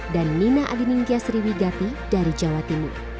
dan nina adiningkiasri wigapi dari jawa timur